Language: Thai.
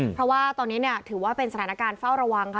เพราะว่าตอนนี้ถือว่าเป็นสถานการณ์เฝ้าระวังค่ะ